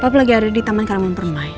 papa lagi ada di taman karimun parmae